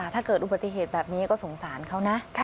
ถ้าเกิดอุบัติเหตุแบบนี้ก็สงสารเขานะ